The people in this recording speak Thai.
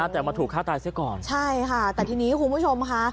แต่มาถูกฆ่าตายซะก่อนใช่ค่ะแต่ทีนี้คุณผู้ชมค่ะ